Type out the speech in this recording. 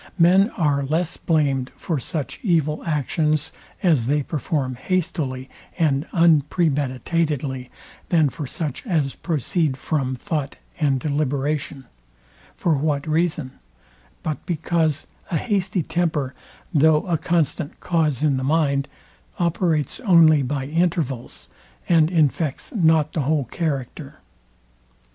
Men are less blamed for such evil actions, as they perform hastily and unpremeditately, than for such as proceed from thought and deliberation. For what reason? but because a hasty temper, though a constant cause in the mind, operates only by intervals, and infects not the whole character.